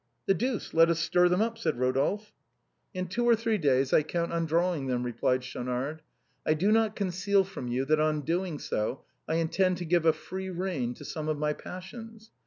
" The deuce, let us stir them up," said Eodolphe. " In two or three days I count on drawing them," replied Schaunard. " I do not conceal from you that on doing so I intend to give a free rein to some of my passions.